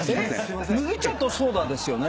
麦茶とソーダですよね？